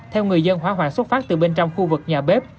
theo người dân hỏa hoạn xuất phát từ bên trong khu vực nhà bếp